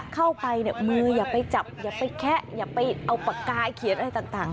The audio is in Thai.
เข้าไปเนี่ยมืออย่าไปจับอย่าไปแคะอย่าไปเอาปากกายเขียนอะไรต่าง